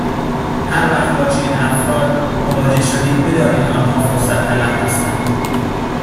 هر وقت با چنین افراد مواجه شدید بدانید آنها فرصت طلب هستند.